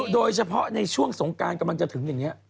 โดยเฉพาะในช่วงสงการกำลังจะถึงอย่างนี้